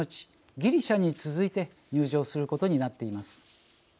ギリシャに続いて入場することになっています。